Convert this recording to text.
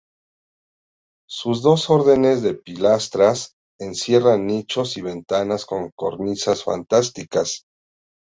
Sus dos órdenes de pilastras encierran nichos y ventanas con cornisas fantásticas.